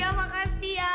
ya makasih ya